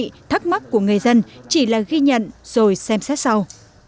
các bản nghị thắc mắc của người dân chỉ là ghi nhận rồi xem xét sau